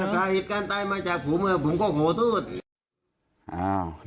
การตายมาจากผมผมก็โหด